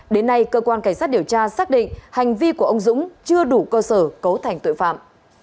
đến nay cơ quan cảnh sát điều tra xác định hành vi của ông dũng chưa đủ cơ sở cấu thành tội phạm